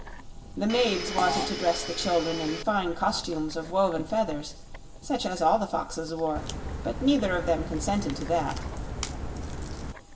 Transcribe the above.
The maids wanted to dress the children in fine costumes of woven feathers, such as all the foxes wore; but neither of them consented to that.